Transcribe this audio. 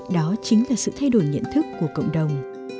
đó chính là sự thay đổi nhận thức của cộng đồng